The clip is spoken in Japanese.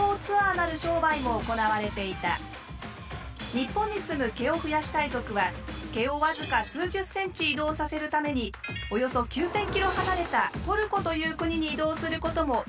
日本に住む毛を増やしたい族は毛を僅か数十センチ移動させるためにおよそ９，０００ｋｍ離れたトルコという国に移動することもいとわないのだ。